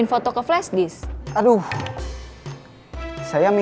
dan baru sekali distrik misfortune cambio